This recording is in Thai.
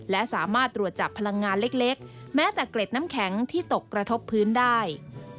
และสามารถตรวจจับพลังงานเล็กแม้แต่เกร็ดน้ำแข็งที่ตกกระทบพื้นได้